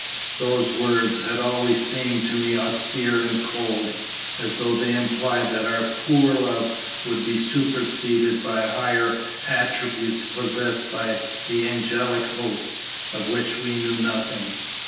Those words had always seemed to me austere and cold, as though they implied that our poor love would be superseded by higher attributes possessed by the angelic hosts, of which we knew nothing.